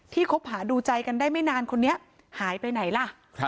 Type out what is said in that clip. คบหาดูใจกันได้ไม่นานคนนี้หายไปไหนล่ะ